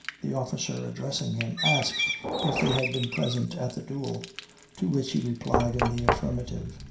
The officer, addressing him, asked if they had been present at the duel, to which he replied in the affirmative.